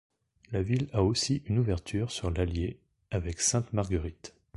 La ville a aussi une ouverture sur l'Allier avec Sainte-Marguerite.